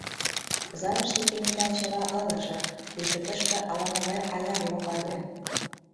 Залыште кенета чыла ылыже, пуйто тышке ала-могай аяр логале.